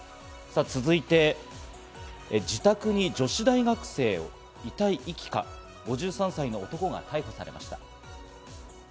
続いて、自宅に女子大学生の遺体遺棄か、５３歳の男が逮捕されました。